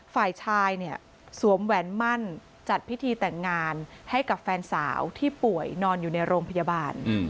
ฝ่ายชายเนี่ยสวมแหวนมั่นจัดพิธีแต่งงานให้กับแฟนสาวที่ป่วยนอนอยู่ในโรงพยาบาล